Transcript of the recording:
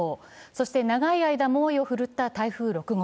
そして長い間、猛威を振るった台風６号。